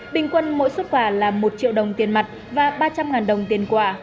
bình quân mỗi xuất quà là một triệu đồng tiền mặt và ba trăm linh đồng tiền quả